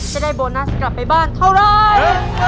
จะได้โบนัสกลับไปบ้านเท่าไร